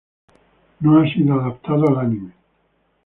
No ha sido adaptado al anime.